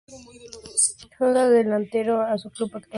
Juega de delantero y su club actual es el Club Libertad de Bahía Blanca.